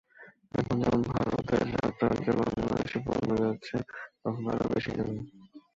এখন যেমন ভারতের সাত রাজ্যে বাংলাদেশি পণ্য যাচ্ছে, তখন আরও বেশি যাবে।